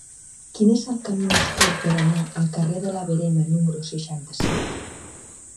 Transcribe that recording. Quin és el camí més curt per anar al carrer de la Verema número seixanta-set?